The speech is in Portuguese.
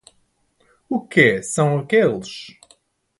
O quê, são aqueles?